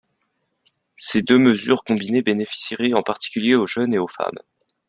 Ces deux mesures combinées bénéficieraient en particulier aux jeunes et aux femmes.